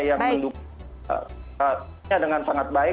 yang mendukungnya dengan sangat baik